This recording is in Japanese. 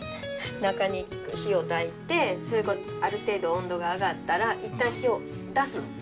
中に火をたいてある程度温度が上がったらいったん火を出すの全部。